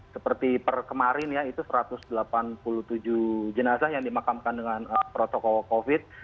seperti per kemarin ya itu satu ratus delapan puluh tujuh jenazah yang dimakamkan dengan protokol covid